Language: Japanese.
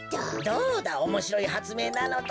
どうだおもしろいはつめいなのだ。